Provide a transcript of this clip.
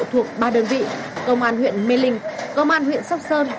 thuộc ba đơn vị công an huyện mê linh công an huyện sóc sơn